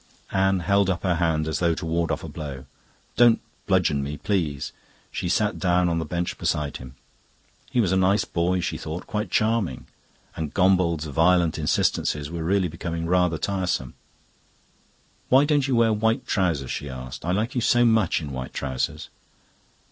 Anne held up her hand as though to ward off a blow. "Don't bludgeon me, please." She sat down on the bench beside him. He was a nice boy, she thought, quite charming; and Gombauld's violent insistences were really becoming rather tiresome. "Why don't you wear white trousers?" she asked. "I like you so much in white trousers."